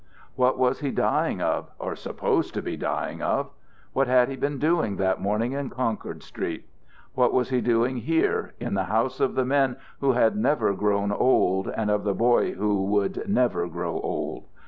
What was he dying of or supposed to be dying of? What had he been doing that morning in Concord Street? What was he doing here, in the house of the men who had never grown old and of the boy who would never grow old?